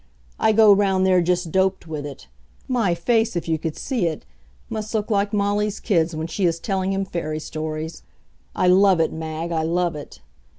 I go round there just doped with it; my face, if you could see it, must look like Molly's kid's when she is telling him fairy stories. I love it, Mag! I love it!